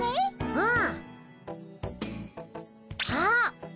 うん。